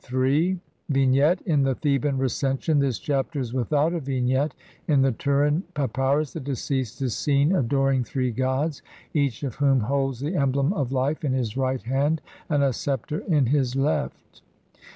10,470, sheet 17).] Vignette : In the Theban Recension this Chapter is without a vignette ; in the Turin Papyrus (Lepsius, op. cit., Bl. 20) the deceased is seen adoring three gods, each of whom holds the emblem of life in his right hand and a sceptre in his left.